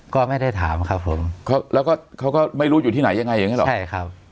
ก็ไม่ได้ถามครับผมแล้วก็เขาก็ไม่รู้อยู่ที่ไหนยังไงอย่างเงี้หรอใช่ครับ